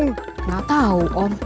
nggak tahu om